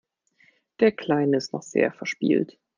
Der Kleine ist noch sehr verspielt.